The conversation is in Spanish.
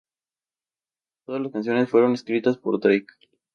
Todas las canciones fueron escritas por Drake.